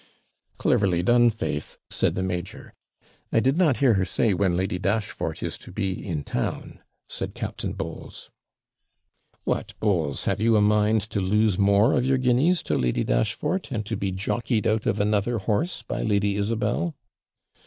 'Cleverly done, faith!' said the major. 'I did not hear her say when Lady Dashfort is to be in town,' said Captain Bowles. 'What, Bowles! have you a mind to lose more of your guineas to Lady Dashfort, and to be jockied out of another horse by Lady Isabel?'